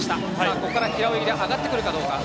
ここから平泳ぎで上がってくるかどうか。